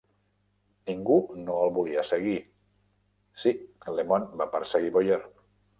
Ningú no el volia seguir... Sí, LeMond va perseguir Boyer.